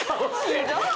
ひどい！